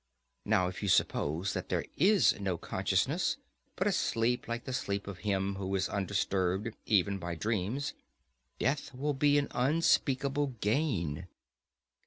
Now if you suppose that there is no consciousness, but a sleep like the sleep of him who is undisturbed even by dreams, death will be an unspeakable gain.